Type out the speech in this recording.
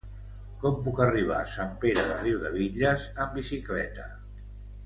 Com puc arribar a Sant Pere de Riudebitlles amb bicicleta?